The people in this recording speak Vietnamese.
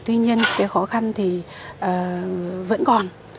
tuy nhiên cái khó khăn thì vẫn còn